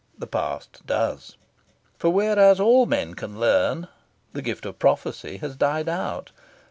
The past does. For, whereas all men can learn, the gift of prophecy has died out.